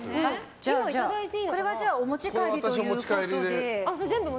これはお持ち帰りということで。